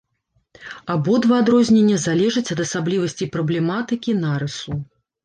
Абодва адрознення залежаць ад асаблівасцей праблематыкі нарысу.